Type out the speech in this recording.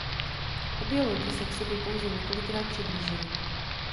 Obě lodi se k sobě pouze několikrát přiblížily.